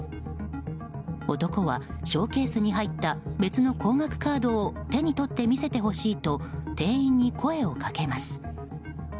男はショーケースに入った別の高額カードを手に取って見せてほしいと店員に声をかけます。